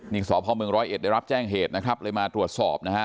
นี่สพเมืองร้อยเอ็ดได้รับแจ้งเหตุนะครับเลยมาตรวจสอบนะฮะ